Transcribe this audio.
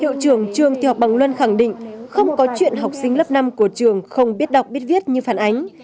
hiệu trưởng trường học bằng luân khẳng định không có chuyện học sinh lớp năm của trường không biết đọc biết viết như phản ánh